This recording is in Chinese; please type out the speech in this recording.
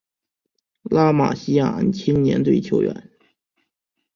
拉玛西亚青年队球员